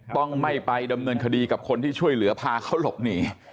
ต้องไม่ไปดำเนินคดีกับคนที่ช่วยเหลือพาเขาหลบหนี